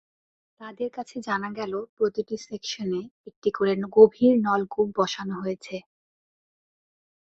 তাঁদের কাছে জানা গেল, প্রতিটি সেকশনে একটি করে গভীর নলকূপ বসানো হয়েছে।